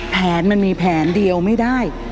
แผนมันมีแผนเดียวไม่ได้